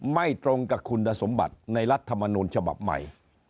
ไม่ตรงกับคุณสมบัติในรัฐมนูลฉบับใหม่